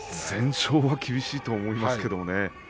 全勝は厳しいと思いますけどね。